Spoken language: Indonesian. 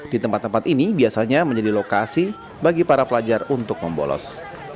di tempat tempat ini biasanya menjadi lokasi bagi para pelajar untuk membolos